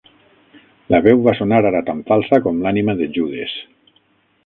La veu va sonar ara tan falsa com l'ànima de Judes.